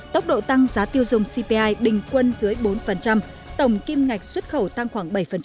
tốc độ tăng giá tiêu dùng cpi bình quân dưới bốn tổng kim ngạch xuất khẩu tăng khoảng bảy